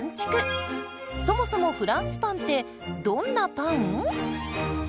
そもそもフランスパンってどんなパン？